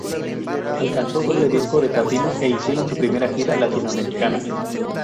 Alcanzó doble disco de platino e hicieron su primera gira latinoamericana.